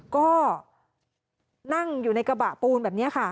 ก็นั่งอยู่ในกระบะปูนแบบนี้ค่ะ